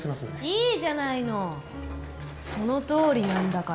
いいじゃないのそのとおりなんだから。